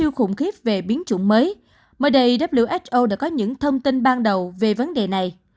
điều khủng khiếp về biến chủng mới mới đây who đã có những thông tin ban đầu về vấn đề này